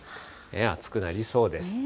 暑くなりそうです。